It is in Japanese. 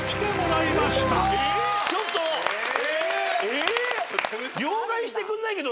えっ！？